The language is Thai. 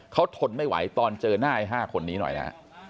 เขาทนไม่ไหวตอนเจอหน้าไอ้๕คนนี้หน่อยนะฮะ